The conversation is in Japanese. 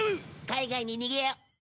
海外に逃げよう！